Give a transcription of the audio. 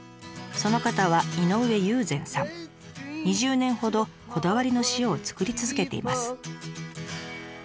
その方は２０年ほどこだわりの塩を作り続けています。